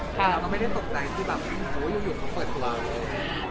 แล้วก็ไม่ได้ตกใจที่แบบโอ้ยอยู่เขาเปิดกำลังเลย